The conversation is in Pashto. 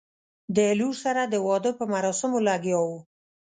له لور سره د واده په مراسمو لګیا وو.